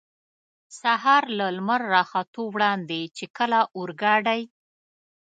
سهار له لمر را ختو وړاندې، چې کله اورګاډی.